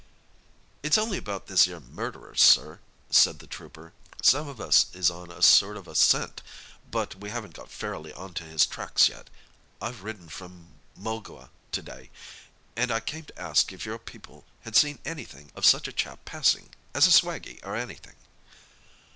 "It's only about this 'ere murderer, sir," said the trooper. "Some of us is on a sort of a scent, but we haven't got fairly on to his tracks yet. I've ridden from Mulgoa to day, and I came to ask if your people had seen anything of such a chap passing—as a swaggie or anything?"